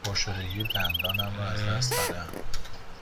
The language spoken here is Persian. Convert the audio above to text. پرشدگی دندانم را از دست داده ام.